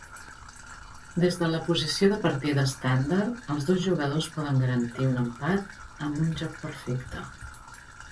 Des de la posició de partida estàndard, els dos jugadors poden garantir un empat amb un joc perfecte.